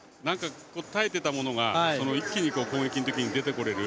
耐えていたものが一気に攻撃の時に出てこれる